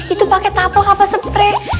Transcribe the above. itu pakai tapok apa sepre